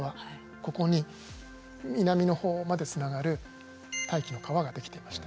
ここに南の方までつながる大気の河が出来ていました。